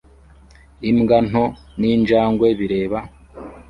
Imbwa nto n'injangwe bireba